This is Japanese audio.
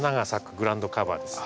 グラウンドカバーです。